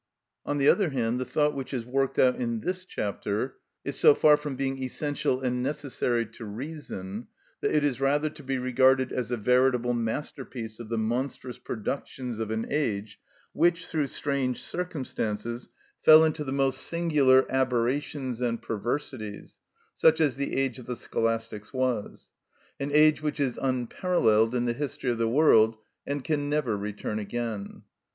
On the other hand, the thought which is worked out in this chapter is so far from being essential and necessary to reason, that it is rather to be regarded as a veritable masterpiece of the monstrous productions of an age which, through strange circumstances, fell into the most singular aberrations and perversities, such as the age of the Scholastics was—an age which is unparalleled in the history of the world, and can never return again.